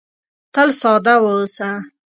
تل ساده واوسه .